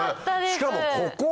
しかもここ！